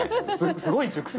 すごい熟睡！